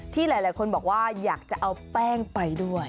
ที่หลายคนบอกว่าอยากจะเอาแป้งไปด้วย